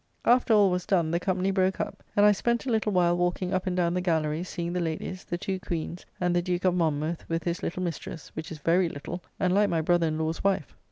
After all was done, the company broke up; and I spent a little while walking up and down the gallery seeing the ladies, the two Queens, and the Duke of Monmouth with his little mistress, which is very little, and like my brother in law's wife.